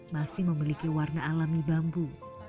masih memiliki warna alami bambu